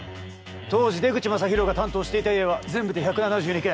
当時出口聖大が担当していた家は全部で１７２軒。